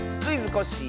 コッシー」